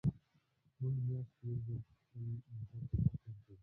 مونږ مياشت کې يو ځل په خپل موټر کې چکر ته ځو